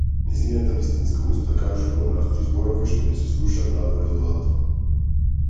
Нејзината вистинска уста кажува мрачни зборови што не се слушаат надвор од водата.